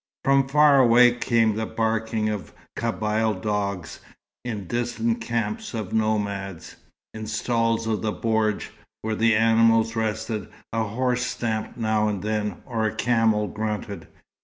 From far away came the barking of Kabyle dogs, in distant camps of nomads. In stalls of the bordj, where the animals rested, a horse stamped now and then, or a camel grunted.